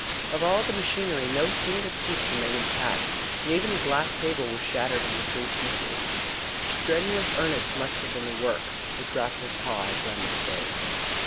Of all the machinery no single piece remained intact, and even the glass table was shattered into three pieces. Strenuously earnest must have been the work which Raffles Haw had done that day.